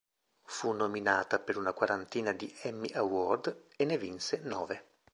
Fu nominata per una quarantina di Emmy Award e ne vinse nove.